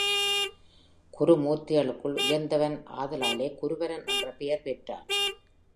குருமூர்த்திகளுக்குள் உயர்ந்தவன் ஆதலாலே குருபரன் என்ற பெயர் பெற்றான்.